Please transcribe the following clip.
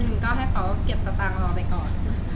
ก็ให้เขาเก็บสตางค์รอไปก่อน